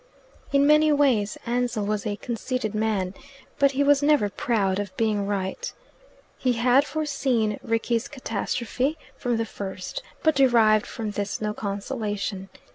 In many ways Ansell was a conceited man; but he was never proud of being right. He had foreseen Rickie's catastrophe from the first, but derived from this no consolation.